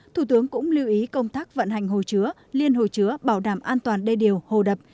thủ tướng cũng lưu ý công tác vận hành hồ chứa liên hồ chứa bảo đảm an toàn đê điều hồ đập